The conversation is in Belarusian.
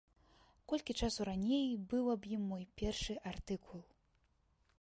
Колькі часу раней быў аб ім мой першы артыкул.